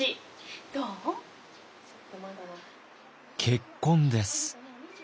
結婚です。